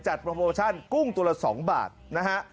โปรโมชั่นกุ้งตัวละ๒บาทนะฮะ